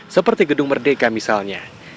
seperti gedung merdeka misalnya